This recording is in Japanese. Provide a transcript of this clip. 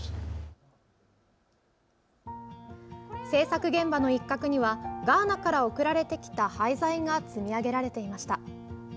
制作現場の一角にはガーナから送られてきた廃材が積み上げられていました。